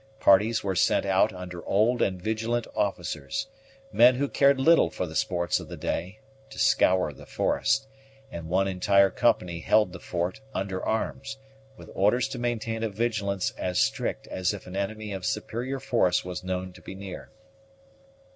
Parties were sent out under old and vigilant officers, men who cared little for the sports of the day, to scour the forest; and one entire company held the fort, under arms, with orders to maintain a vigilance as strict as if an enemy of superior force was known to be near.